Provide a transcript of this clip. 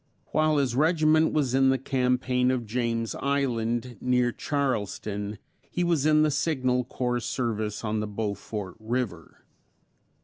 While his regiment was in the campaign of James Island, near Charleston, he was in the Signal Corps service on the Beaufort river.